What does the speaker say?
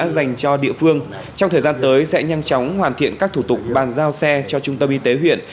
sẽ nhanh chóng hoàn thiện các thủ tục bàn giao xe cho trung tâm y tế huyện